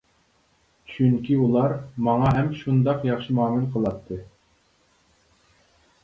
چۈنكى ئۇلار ماڭا ھەم شۇنداق ياخشى مۇئامىلە قىلاتتى.